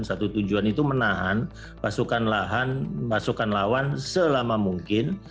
satu tujuan itu menahan pasukan lawan selama mungkin